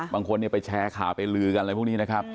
บางคนไปแชร์ข่าวไปลือกันอะไรพวกนี้นะครับ